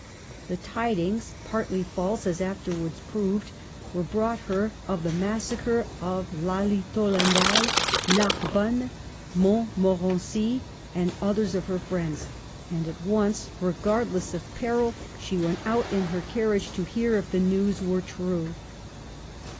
The tidings — partly false, as afterwards proved — were brought her of the massacre of Lally Tol lendal, Narbonne, Montmorency, and others of her friends ; and at once, regardless of peril, she went out in her carriage to hear if the news were true.